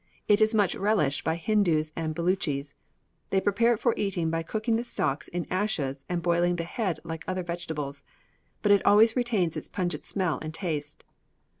It is much relished by Hindus and Belutchis. They prepare it for eating by cooking the stalks in ashes, and boiling the head like other vegetables; but it always retains its pungent smell and taste."